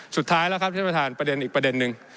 สุดท้ายแล้วครับท่านประธานประเด็นอีกประเด็นนึง